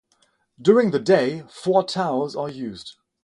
During the day, four-towers are used.